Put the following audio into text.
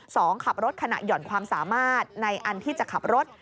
ขับรถขณะหย่อนความสามารถในอันที่จะขับรถ